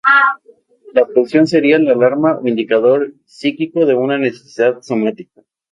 La pulsión sería la alarma o indicador psíquico de una necesidad somática.